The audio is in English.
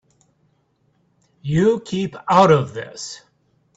You keep out of this.